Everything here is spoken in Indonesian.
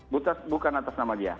bukan atas nama dia